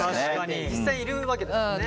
実際いるわけですもんね。